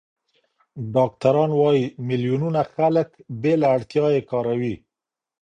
ډاکټران وايي، میلیونونه خلک بې له اړتیا یې کاروي.